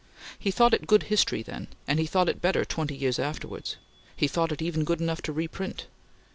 He thought it good history then, and he thought it better twenty years afterwards; he thought it even good enough to reprint.